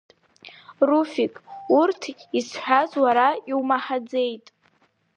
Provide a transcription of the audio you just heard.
Руфик, урҭ исҳәаз уара иумаҳаӡеит!